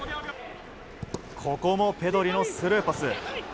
ここもペドリのスルーパス。